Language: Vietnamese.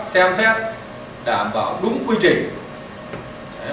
xem xét đảm bảo đúng quy trình